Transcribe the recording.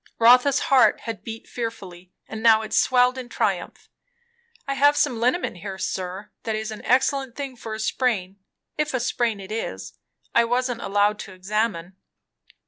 Rotha's heart had beat fearfully, and now it swelled in triumph. "I have some liniment here, sir, that is an excellent thing for a sprain if a sprain it is; I wasn't allowed to examine."